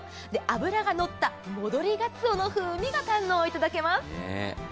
脂がのった戻り鰹の風味が堪能いただけます。